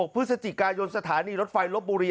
๒๖พศจิฆายนศรษฐานรถไฟลบูรี